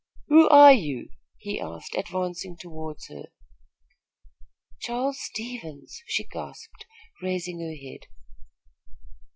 "Who are you?" he asked, advancing toward her. "Charles Stevens!" she gasped, raising her head.